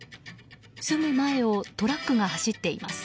すぐ前をトラックが走っています。